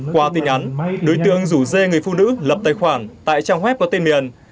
qua tin nhắn đối tượng rủ dê người phụ nữ lập tài khoản tại trang web có tên miền